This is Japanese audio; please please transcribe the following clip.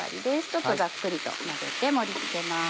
ちょっとざっくりと混ぜて盛り付けます。